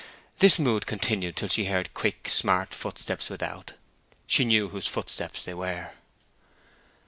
This mood continued till she heard quick, smart footsteps without; she knew whose footsteps they were.